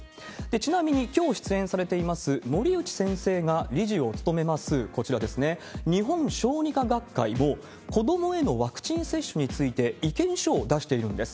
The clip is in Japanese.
ちなみに、きょう出演されています森内先生が理事を務めます、こちらですね、日本小児科学会も、子どもへのワクチン接種について、意見書を出しているんです。